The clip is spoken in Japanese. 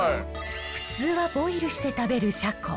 普通はボイルして食べるシャコ。